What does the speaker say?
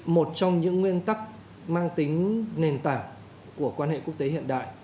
một trong những nguyên tắc mang tính nền tảng của quan hệ quốc tế hiện đại